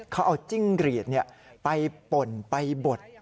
เขาเอาจิ้งรีดไปป่นไปบด